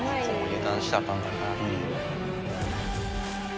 油断したらあかんからな。